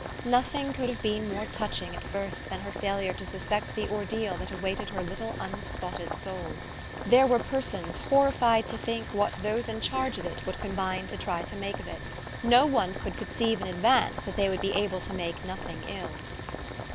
Nothing could have been more touching at first than her failure to suspect the ordeal that awaited her little unspotted soul. There were persons horrified to think what those in charge of it would combine to try to make of it: no one could conceive in advance that they would be able to make nothing ill.